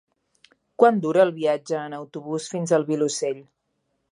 Quant dura el viatge en autobús fins al Vilosell?